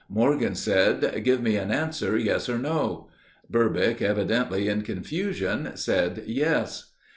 Morgan said, "Give me an answer, yes or no." Burbick, evidently in confusion, said, "Yes."